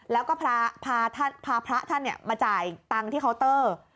แล้วก็พาพระท่านมาจ่ายตังค์ที่เคาน์เตอร์